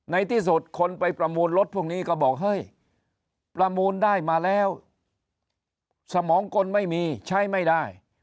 ในที่สุดคนไปประมูลรถพวกนี้ก็บอกเฮ้ยประมูลได้มาแล้วสมองกลไม่มีใช้ไม่ได้